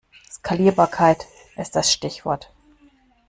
Skalierbarkeit ist das Stichwort.